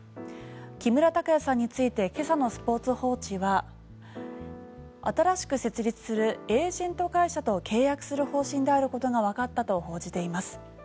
木村拓哉さんについて今朝のスポーツ報知は新しく設立するエージェント会社と契約する方針であることがわかったと報じています。